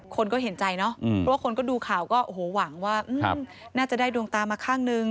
คนก็เห็นใจเนาะเพราะว่าคนก็ดูข่าวก็โอ้โหหวังว่าน่าจะได้ดวงตามาข้างนึง